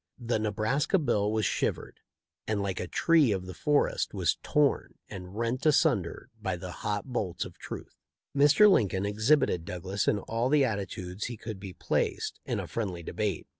The Nebraska bill was shivered, and like a tree of the forest was torn and rent asun der by the hot bolts of truth. Mr. Lincoln exhib ited Douglas in all the attitudes he could be placed, in a friendly debate.